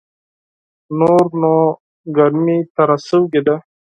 نور نو ګرمي تېره سوې ده .